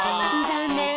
ざんねん！